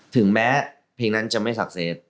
ถึงแม้เพลงนั้นจะไม่สักเสร็จ